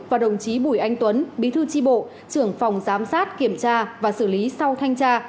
và đồng chí bùi anh tuấn bí thư tri bộ trưởng phòng giám sát kiểm tra và xử lý sau thanh tra